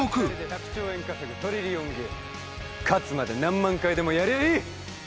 １００兆円稼ぐトリリオンゲーム勝つまで何万回でもやりゃあいい！